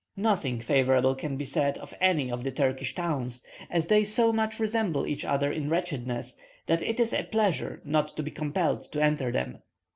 Nothing favourable can be said of any of the Turkish towns, as they so much resemble each other in wretchedness, that it is a pleasure not to be compelled to enter them.